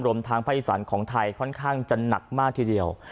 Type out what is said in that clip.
รวมทางภาคอีสานของไทยค่อนข้างจะหนักมากทีเดียว